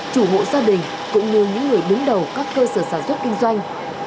chủ hộ gia đình cũng như những người đứng đầu các cơ sở sản xuất kinh doanh